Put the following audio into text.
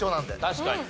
確かに。